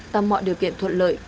tầm mọi điều kiện thuận lợi